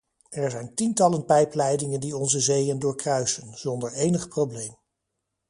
Er zijn tientallen pijpleidingen die onze zeeën doorkruisen, zonder enig probleem.